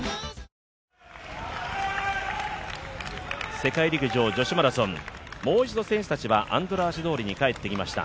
世界陸上女子マラソンもう一度、選手たちはアンドラーシ通りに帰ってきました。